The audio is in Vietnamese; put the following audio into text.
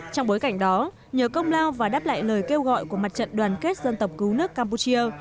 trong bối cảnh đó nhờ công lao và đáp lại lời kêu gọi của mặt trận đoàn kết dân tộc cứu nước campuchia